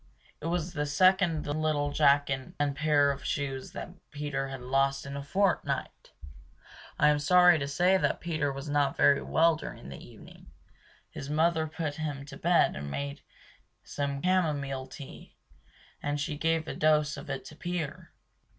It was the second little jacket and pair of shoes that Peter had lost in a fortnight! I am sorry to say that Peter was not very well during the evening. His mother put him to bed and made some camomile tea; and she gave a dose of it to Peter!